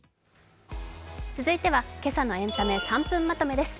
続いては今朝のエンタメ３分まとめです。